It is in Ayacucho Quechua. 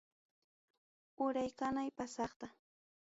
Uray qanay pasaqta.